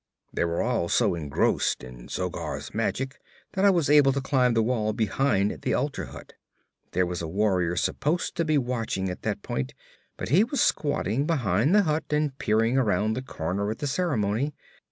'They were all so engrossed in Zogar's magic that I was able to climb the wall behind the altar hut. There was a warrior supposed to be watching at that point, but he was squatting behind the hut and peering around the corner at the ceremony.